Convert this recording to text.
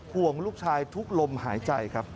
ห่วงลูกชายทุกลมหายใจครับ